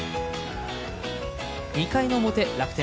２回の表、楽天。